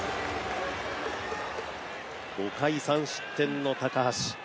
５回、３失点の高橋。